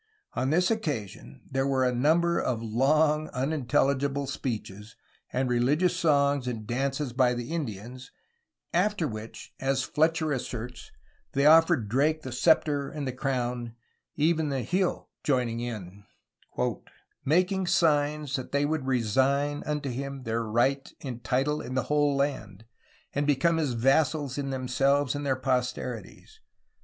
On this occasion there were a number of long, unintelligible speeches and religious songs and dances by the Indians, after which, as Fletcher asserts, they offered Drake the sceptre and the crown, even the Hi6h joining'in, "making signes that they would resigne vnto him their right and title in the whole land, and become his vassals in themselues and their posterities